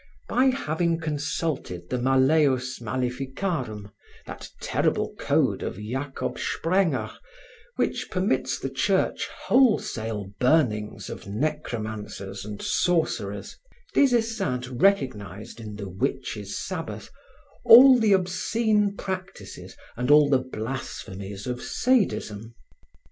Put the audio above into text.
By having consulted the Malleus maleficorum, that terrible code of Jacob Sprenger which permits the Church wholesale burnings of necromancers and sorcerers, Des Esseintes recognized in the witches' Sabbath, all the obscene practices and all the blasphemies of sadism.